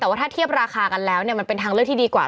แต่ว่าถ้าเทียบราคากันแล้วเนี่ยมันเป็นทางเลือกที่ดีกว่า